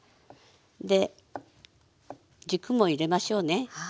で軸も入れましょうね。